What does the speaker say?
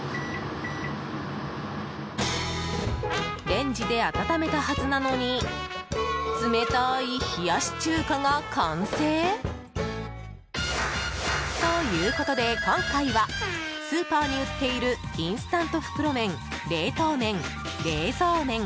レンジで温めたはずなのに冷たい冷やし中華が完成？ということで今回はスーパーに売っているインスタント袋麺冷凍麺、冷蔵麺